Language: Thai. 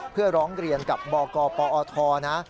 เพื่อร้องเรียนกับบกปอทนะ